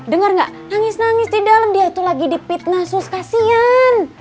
dengar nggak nangis nangis di dalam dia itu lagi dipitna sus kasian